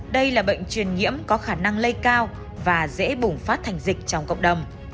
đây là bệnh truyền nhiễm có khả năng lây cao và dễ bùng phát thành dịch trong cộng đồng